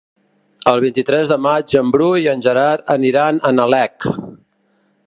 El vint-i-tres de maig en Bru i en Gerard aniran a Nalec.